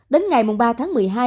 đến ngày ba tháng một mươi hai